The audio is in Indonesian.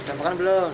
udah makan belum